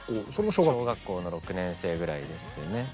小学校の６年生ぐらいですね。